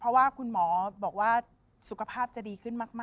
เพราะว่าคุณหมอบอกว่าสุขภาพจะดีขึ้นมาก